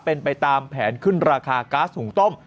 เป็นไปตามแผนขึ้นราคาก๊าซหุงต้ม